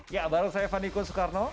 ya baru saya vaniko soekarno